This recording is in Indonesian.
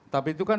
tapi itu kan